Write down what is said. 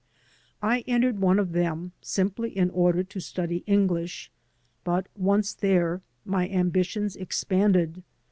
I entered one of them simply in order to study English; but, once there, my ambitions expanded.